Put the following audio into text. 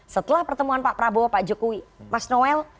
setelah pertemuan pak prabowo pak jokowi mas noel